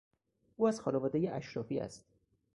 او از خانوادهی اشرافی است.